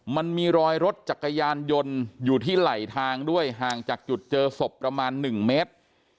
มันมีรอยรถจักรยานยนต์อยู่ที่ไหลทางด้วยห่างจากจุดเจอศพประมาณ๑เมตร